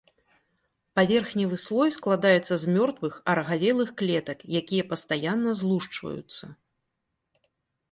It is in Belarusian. Паверхневы слой складаецца з мёртвых, арагавелых клетак, якія пастаянна злушчваюцца.